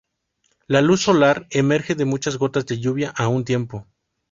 La luz solar emerge de muchas gotas de lluvia a un tiempo.